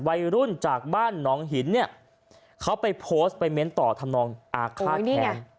วัยรุ่นจากบ้านหนองหินเนี่ยเขาไปโพสต์ไปเม้นต่อทำนองอาฆาตแค้น